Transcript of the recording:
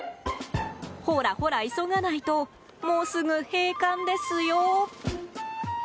ほらほら、急がないともうすぐ閉館ですよ。